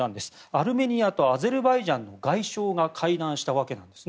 アルメニアとアゼルバイジャンの外相が会談したわけです。